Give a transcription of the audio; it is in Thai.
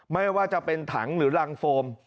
ไม่ว่าจะเป็นถังหรือรังโฟม